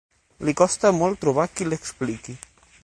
Li costa molt trobar qui l'expliqui.